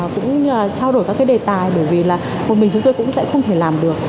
cũng trao đổi các cái đề tài bởi vì là một mình chúng tôi cũng sẽ không thể làm được